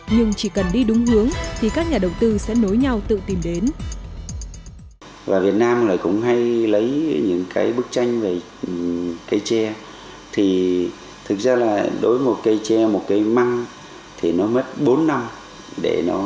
nhưng chỉ cần đi đúng hướng thì các nhà đầu tư sẽ nối nhau tự tìm đến